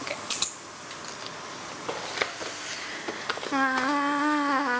ああ。